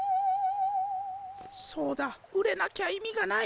そうだ売れなきゃ意味がない。